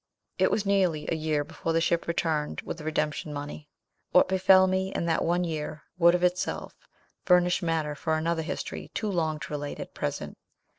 "It was nearly a year before the ship returned with the redemption money. What befel me in that year would, of itself, furnish matter for another history too long to relate at present.